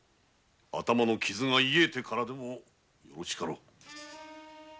頭の傷が癒えてからでもよろしかろう。